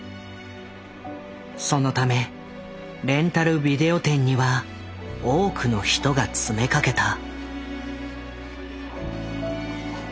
そのためレンタルビデオ店には多くの人が詰めかけた。